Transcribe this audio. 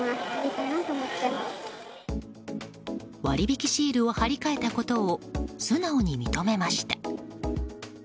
割引シールを貼り替えたことを素直に認めました。